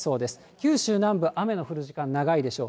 九州南部、雨の降る時間長いでしょう。